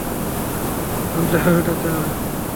একটা সন্দেহ মেটাতে হবে।